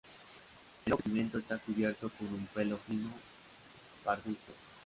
El nuevo crecimiento está cubierto con un pelo fino pardusco.